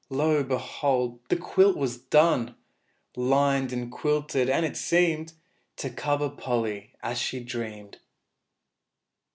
Lo, behold! the quilt was done, Lined and quilted, and it seemed To cover Polly as she dreamed!